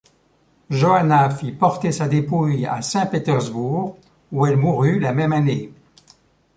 Joanna fit porter sa dépouille à Saint-Pétersbourg où elle mourut la même année.